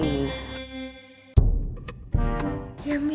tapi kan nanti kalo mereka gak punya bukti apapun